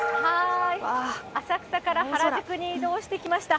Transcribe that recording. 浅草から原宿に移動してきました。